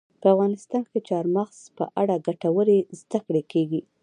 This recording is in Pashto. په افغانستان کې د چار مغز په اړه ګټورې زده کړې کېږي.